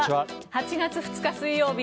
８月２日、水曜日